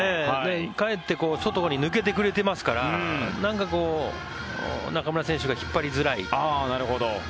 かえって外に抜けてくれてますからなんかこう中村選手が引っ張りづらい。